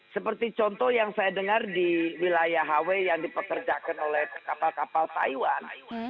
seperti contoh yang saya dengar di wilayah hawaii yang dipekerjakan oleh kapal kapal taiwan